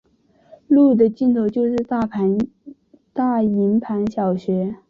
路的尽头就是大营盘小学。